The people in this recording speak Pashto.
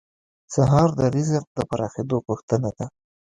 سهار د رزق د پراخېدو غوښتنه ده.